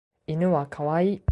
犬はかわいい